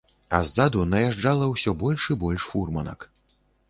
А ззаду наязджала ўсё больш і больш фурманак.